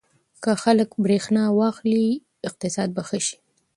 که خلک برېښنا واخلي اقتصاد به ښه شي.